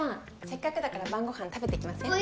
せっかくだから晩ご飯食べていきません？